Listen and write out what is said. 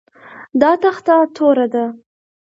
دا تخته توره ده